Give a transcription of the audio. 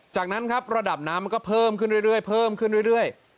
จากนั้นครับระดับน้ำมันก็เพิ่มขึ้นเรื่อย